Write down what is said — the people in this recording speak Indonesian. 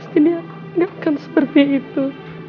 tidak tidak akan seperti itu